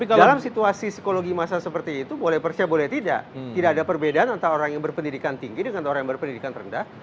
di dalam situasi psikologi masa seperti itu boleh percaya boleh tidak tidak ada perbedaan antara orang yang berpendidikan tinggi dengan orang yang berpendidikan rendah